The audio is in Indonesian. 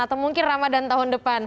atau mungkin ramadan tahun depan